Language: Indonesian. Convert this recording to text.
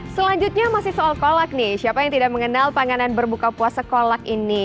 selanjutnya masih soal kolak nih siapa yang tidak mengenal panganan berbuka puasa kolak ini